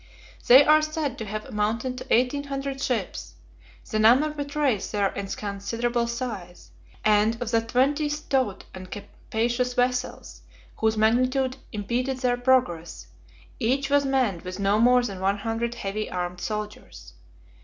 They are said to have amounted to eighteen hundred ships: the number betrays their inconsiderable size; and of the twenty stout and capacious vessels, whose magnitude impeded their progress, each was manned with no more than one hundred heavy armed soldiers.